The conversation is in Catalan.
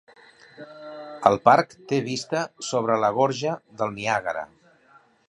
El parc té vista sobre la gorja del Niàgara.